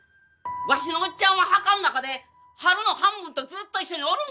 わしのおっちゃんは墓ん中でハルの半分とずっと一緒におるんかい！